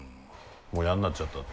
もう嫌になっちゃったって。